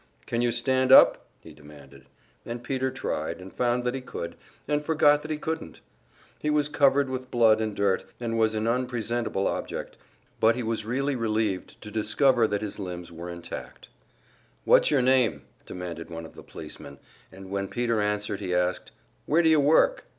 "Can you stand up?" he demanded; and Peter tried, and found that he could, and forgot that he couldn't. He was covered with blood and dirt, and was an unpresentable object, but he was really relieved to discover that his limbs were intact. "What's your name?" demanded one of the policemen, and when Peter answered, he asked, "Where do you work?"